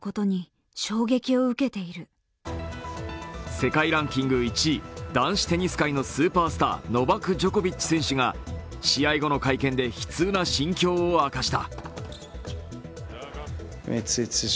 世界ランキング１位、男子テニス界のスーパースター、ノバク・ジョコビッチ選手が試合後の会見で悲痛な心境を明かした。